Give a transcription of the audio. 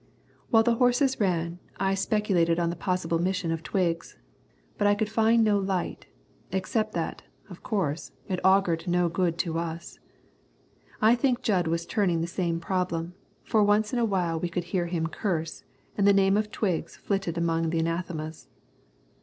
While the horses ran, I speculated on the possible mission of Twiggs, but I could find no light, except that, of course, it augured no good to us. I think Jud was turning the same problem, for once in a while I could hear him curse, and the name of Twiggs flitted among the anathemas.